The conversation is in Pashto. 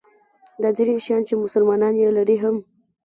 دا ځیني شیان چې مسلمانان یې لري هم.